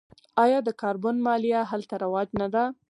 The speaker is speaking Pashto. آیا د کاربن مالیه هلته رواج نه ده؟